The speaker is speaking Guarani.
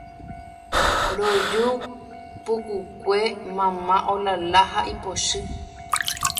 Roju pukukue mama olala ha ipochy